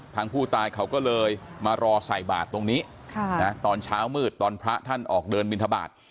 ทางผู้ตายเขาก็เลยมารอใส่บาทตรงนี้ตอนเช้ามืดตอนพระท่านออกเดินบินทบาท